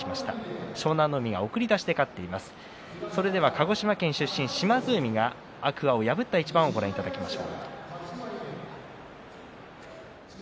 鹿児島県出身の島津海が天空海を破った一番をご覧いただきます。